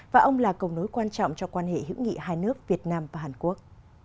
và ông là cầu nối quan trọng cho quan hệ hữu nghị hai nước việt nam và hàn quốc